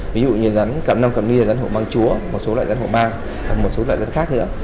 ví dụ như rắn cặm năm cặm ni là rắn hổ mang chúa một số loại rắn hổ mang một số loại rắn khác nữa